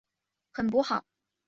很不好！